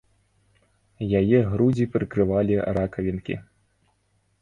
Яе грудзі прыкрывалі ракавінкі.